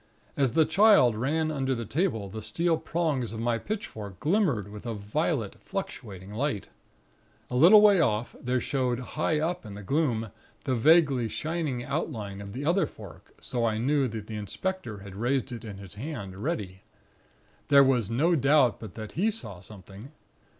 As the Child ran under the table, the steel prongs of my pitchfork glimmered with a violet, fluctuating light. A little way off, there showed high up in the gloom, the vaguely shining outline of the other fork, so I knew the inspector had it raised in his hand, ready. There was no doubt but that he saw something.